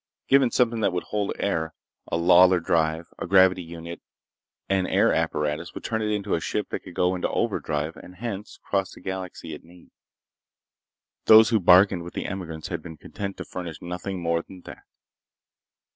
Given something that would hold air, a Lawlor drive, a gravity unit, and air apparatus would turn it into a ship that could go into overdrive and hence cross the galaxy at need. Those who bargained with the emigrants had been content to furnish nothing more than that.